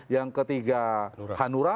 yang ketiga hanura